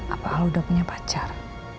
apa aku udah punya pacar